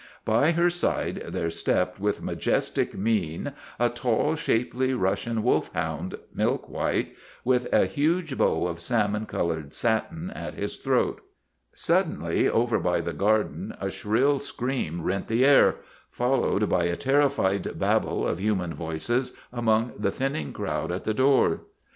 By her side there stepped with majestic mien a tall, shapely Russian wolfhound, milk white, with a huge bow of salmon colored satin at his throat. Suddenly, over by the Garden, a shrill scream rent the air, followed by a terrified babel of human voices among the thinning crowd at the doors.